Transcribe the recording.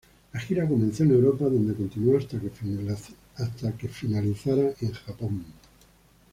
La gira comenzó en Europa, donde continuó hasta que finalizara en Japón.